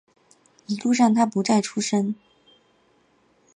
一路上他不再出声